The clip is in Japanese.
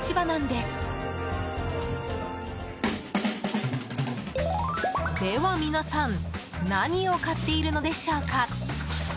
では、皆さん何を買っているのでしょうか？